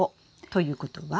ということは？